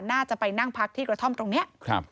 น่าจะไปนั่งพักที่กระท่อมตรงนี้